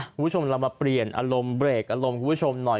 คุณผู้ชมเรามาเปลี่ยนอารมณ์เบรกอารมณ์คุณผู้ชมหน่อย